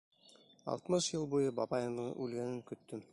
Алтмыш йыл буйы бабайыңдың үлгәнен көттөм.